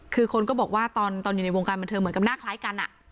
คือคนก็บอกว่าตอนอยู่ในวงการบันเทิงเหมือนกับหน้าคล้ายกัน